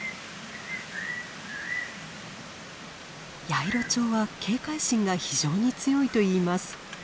ヤイロチョウは警戒心が非常に強いといいます。